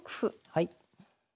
はい。